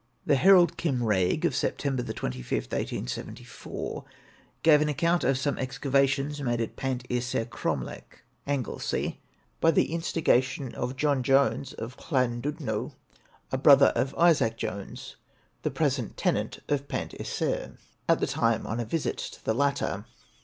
The 'Herald Cymraeg' of September 25, 1874, gave an account of some excavations made at Pant y Saer cromlech, Anglesea, by the instigation of John Jones of Llandudno, 'a brother of Isaac Jones, the present tenant of Pant y Saer,' at the time on a visit to the latter.